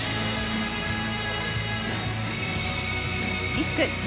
リスク。